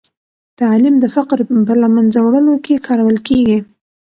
تعلیم د فقر په له منځه وړلو کې کارول کېږي.